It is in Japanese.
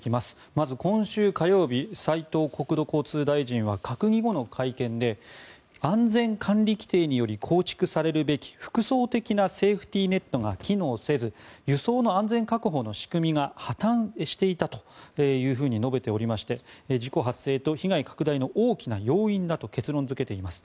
まず、今週火曜日斉藤国土交通大臣は閣議後の会見で安全管理規程により構築されるべき複層的なセーフティーネットが機能せず輸送の安全確保の仕組みが破たんしていたと述べておりまして事故発生と被害拡大の大きな要因だと結論付けています。